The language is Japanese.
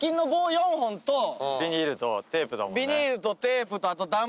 ビニールとテープだもんね。